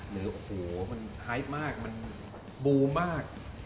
หรือโอ้โหมันไฮทมากมันบูมมาก